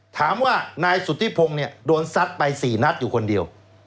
ถามว่านายสุธิพงศ์เนี่ยโดนซัดไป๔นัดอยู่คนเดียว